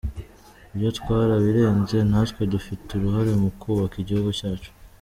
Ibyo twarabirenze, natwe dufite uruhare mu kubaka igihugu cyacu”.